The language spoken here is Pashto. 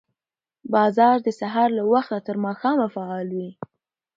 بازار د سهار له وخته تر ماښامه فعال وي